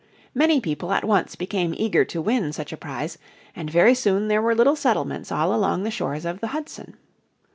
Many people at once became eager to win such a prize, and very soon there were little settlements all along the shores of the Hudson.